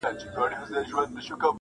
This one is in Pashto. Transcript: بې دلیله مي د ښمن دی په بازار کي،